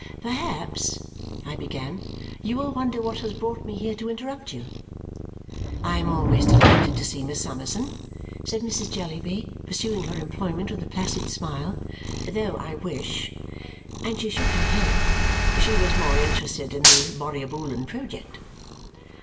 "Perhaps," I began, "you will wonder what has brought me here to interrupt you." "I am always delighted to see Miss Summerson," said Mrs. Jellyby, pursuing her employment with a placid smile. "Though I wish," and she shook her head, "she was more interested in the Borrioboolan project."